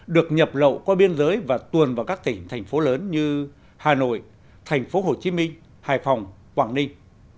được nhập lậu qua biên giới và tuồn vào các tỉnh thành phố lớn như hà nội thành phố hồ chí minh hải phòng quảng ninh